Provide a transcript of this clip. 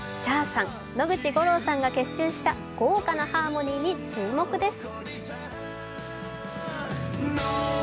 Ｃｈａｒさん、野口五郎さんが結集した豪華なハーモニーに注目です。